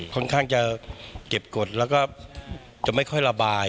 ค่อนข้างจะเก็บกฎแล้วก็จะไม่ค่อยระบาย